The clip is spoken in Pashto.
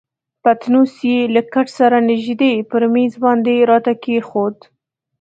پتنوس یې له کټ سره نژدې پر میز باندې راته کښېښود.